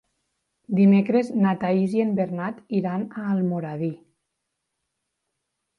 Dimecres na Thaís i en Bernat iran a Almoradí.